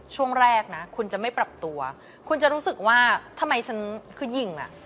ช่วงแรกนะคุณจะไม่ปรับตัวคุณจะรู้สึกว่าทำไมฉันคือยิงอ่ะ